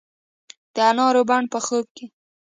د انارو بڼ په خوب کې